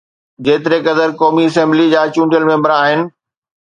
جيتري قدر قومي اسيمبليءَ جا چونڊيل ميمبر آهن.